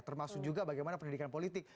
termasuk juga bagaimana pendidikan politik